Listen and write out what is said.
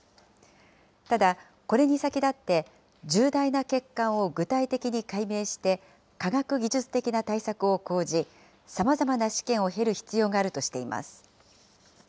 ただ、これに先立って、重大な欠陥を具体的に解明して、科学技術的な対策を講じ、さまざまな試験を経る必要があるとしています。